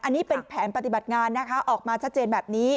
อันนี้เป็นแผนปฏิบัติงานนะคะออกมาชัดเจนแบบนี้